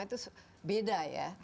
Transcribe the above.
itu beda ya